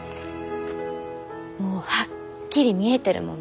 もうはっきり見えてるもの。